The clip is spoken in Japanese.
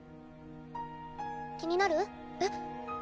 気になる？え？